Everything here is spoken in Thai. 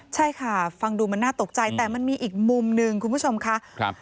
ใช่ค่ะฟังดูมันน่าตกใจแต่มันมีอีกมุมหนึ่งคุณผู้ชมค่ะ